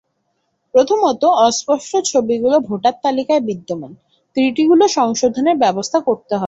প্রথমত, অস্পষ্ট ছবিযুক্ত ভোটার তালিকায় বিদ্যমান ত্রুটিগুলো সংশোধনের ব্যবস্থা করতে হবে।